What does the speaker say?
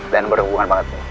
dan berhubungan banget nih